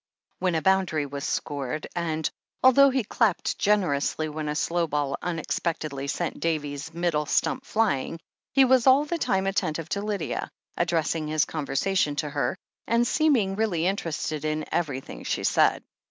when a boundary was scored, and although he clapped generously when a slow ball unexpectedly sent Davy's middle^ stump flying, he was all the time attentive to Lydia, addressing his conversa tion to her, and seeming really interested in everj^hing she said.